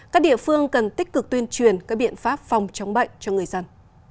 các địa phương cần tích cực tuyên truyền các biện pháp phòng chống bệnh cho người dân